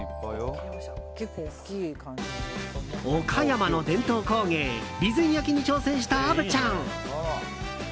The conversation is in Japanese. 岡山の伝統工芸備前焼に挑戦した虻ちゃん。